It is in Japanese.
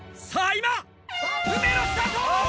今運命のスタート！